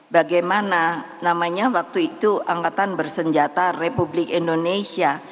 bagaimana namanya waktu itu angkatan bersenjata republik indonesia